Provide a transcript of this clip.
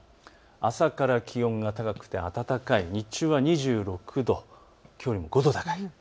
朝から気温が高くて暖かい日中は２６度、きょうよりも５度高いです。